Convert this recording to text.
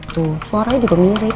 tuh suaranya juga mirip